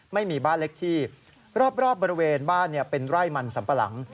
ไม่มีบ้านเล็กที่รอบบริเวณบ้านเป็นไร่มันสัมปะหลัง